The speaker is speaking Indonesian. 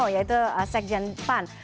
yaitu sekjen pan